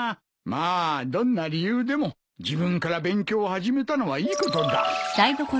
まあどんな理由でも自分から勉強を始めたのはいいことだ。